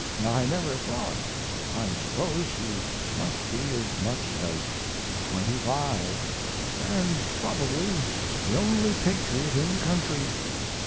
I never thought. I suppose she must be as much as twenty five, and probably the only patriot in the country."